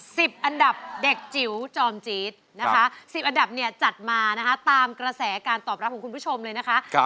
สิบอันดับเด็กจิ๋วจอมจี๊ดสิบอันดับจัดมาตามกระแสการตอบรับของคุณผู้ชมเลยนะครับ